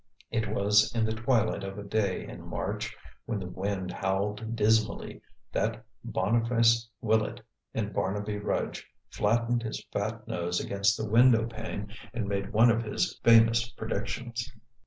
It was in the twilight of a day in March, when the wind howled dismally, that Boniface Willet, in Barnaby Rudge, flattened his fat nose against the window pane and made one of his famous predictions.